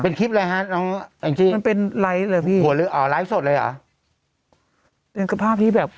เป็นคลิปอะไรฮะน้องมันเป็นไลค์เลยพี่อ๋อไลค์สดเลยหรอเป็นกับภาพที่แบบ